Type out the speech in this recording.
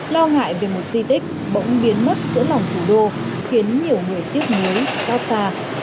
lo ngại về một di tích bỗng biến mất giữa lòng thủ đô khiến nhiều người tiếc nuối xót xa